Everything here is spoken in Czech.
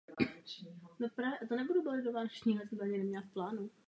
Kostel byl poznamenán nálety na průmyslové objekty Vysočan na sklonku druhé světové války.